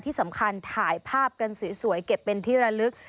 ที่สำคัญถ่ายภาพกันสวยเก็บเป็นที่ระลึก